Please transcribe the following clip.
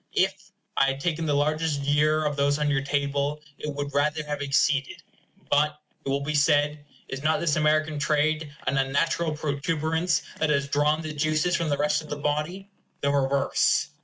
If I had taken the largest year of those on your table, it would rather have exceeded. But, it will be said, is not this American trade an unnatural protuberance, that has drawn the juices from the rest of the body? The reverse.